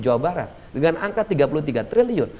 jawa barat dengan angka tiga puluh tiga triliun